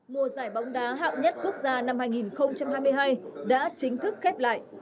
mùa giải bóng đá hạng nhất quốc gia năm hai nghìn hai mươi hai đã chính thức khép lại